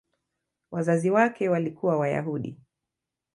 Wazazi wake walikuwa Wayahudi.